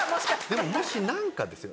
でももし何かですよ